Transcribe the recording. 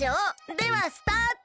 ではスタート！